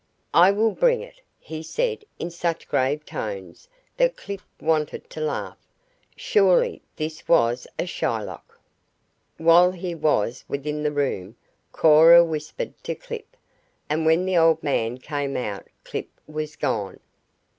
"I will bring it," he said in such grave tones that Clip wanted to laugh surely this was a Shylock. While he was within the room Cora whispered to Clip, and when the old man came out Clip was gone.